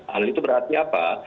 hal itu berarti apa